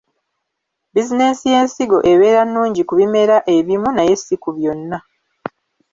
Bizinensi y’ensigo ebeera nnungi ku bimera ebimu naye si ku byonna.